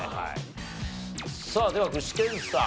さあでは具志堅さん。